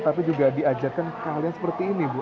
tapi juga diajarkan keahlian seperti ini bu